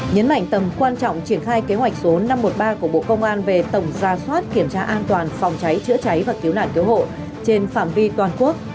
nhấn mạnh tầm quan trọng triển khai kế hoạch số năm trăm một mươi ba của bộ công an về tổng ra soát kiểm tra an toàn phòng cháy chữa cháy và cứu nạn cứu hộ trên phạm vi toàn quốc